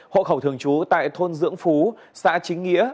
hộ khẩu thường trú tại thôn dưỡng phú xã chính nghĩa